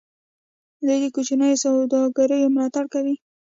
دوی د کوچنیو سوداګریو ملاتړ کوي.